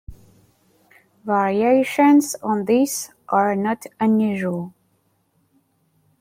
Variations on this are not unusual.